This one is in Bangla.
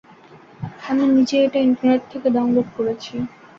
আমি নিজেই এটা ইন্টারনেট থেকে ডাউনলোড করেছি।